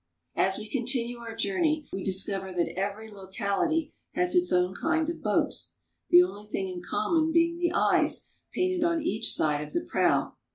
As we continue our journey, we discover that every local ity has its own kind of boats, the only thing in. common being the eyes painted on each side of the prow.